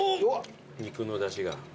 肉のだしが。